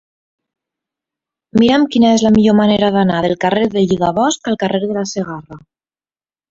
Mira'm quina és la millor manera d'anar del carrer del Lligabosc al carrer de la Segarra.